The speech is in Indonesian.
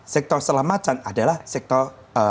sektor setelah macan adalah sektor